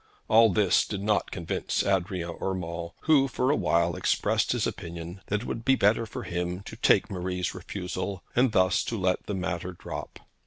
All this did not convince Adrian Urmand, who for a while expressed his opinion that it would be better for him to take Marie's refusal, and thus to let the matter drop.